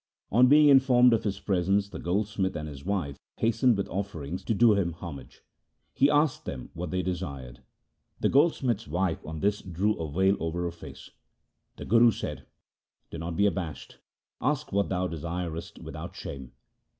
On being informed of his presence the goldsmith and his wife hastened with offerings to do him homage. He asked them what they desired. The goldsmith's wife on this drew a veil over her face. The Guru said, ' Be not abashed. Ask what thou desirest without shame.'